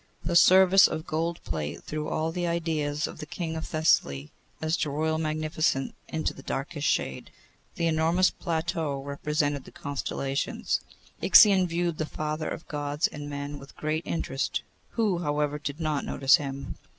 The service of gold plate threw all the ideas of the King of Thessaly as to royal magnificence into the darkest shade. The enormous plateau represented the constellations. Ixion viewed the Father of Gods and men with great interest, who, however, did not notice him.